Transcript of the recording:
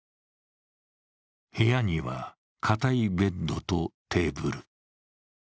部屋にはかたいベッドとテーブル。